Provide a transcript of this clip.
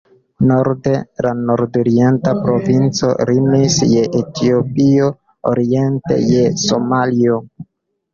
Norde la nordorienta provinco limis je Etiopio, oriente je Somalio.